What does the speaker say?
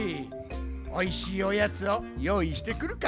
おいしいおやつをよういしてくるから。ね？